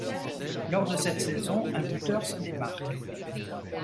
Lors de cette saison, un buteur se démarque.